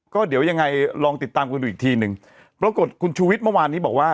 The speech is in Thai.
ก็เดี๋ยวยังไงลองติดตามกันดูอีกทีหนึ่งปรากฏคุณชูวิทย์เมื่อวานนี้บอกว่า